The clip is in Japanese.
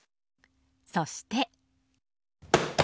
そして。